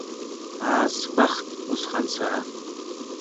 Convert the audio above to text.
Аасгәахәт усҟан сара.